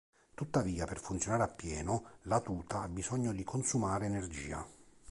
Tuttavia, per funzionare appieno la tuta ha bisogno di consumare energia.